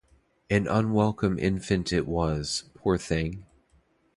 An unwelcome infant it was, poor thing!